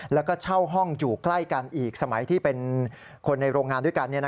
แล้วก็เช่าห้องอยู่ใกล้กันอีกสมัยที่เป็นคนในโรงงานด้วยกัน